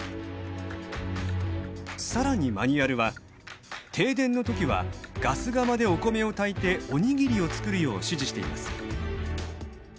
更にマニュアルは停電の時はガス釜でお米を炊いておにぎりを作るよう指示しています。